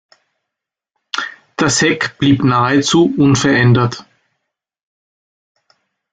Das Heck blieb nahezu unverändert.